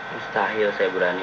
mustahil saya berani